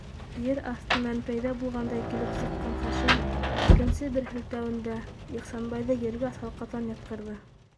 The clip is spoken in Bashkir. - Ер аҫтынан пәйҙә булғандай килеп сыҡҡан Хашим икенсе бер һелтәүендә Ихсанбайҙы ергә салҡатан ятҡырҙы.